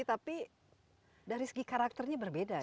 tapi dari segi karakternya berbeda ya